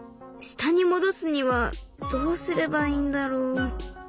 下に戻すにはどうすればいいんだろう。